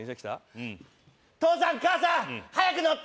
うん父さん母さん早く乗って！